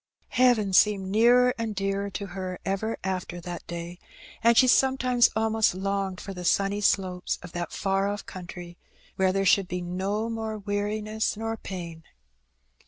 Heaven seemed nearer and dearer to her ever after that day^ and she sometimes almost longed for the sunny slopes of that far off country where there should be no more weari ness nor pain.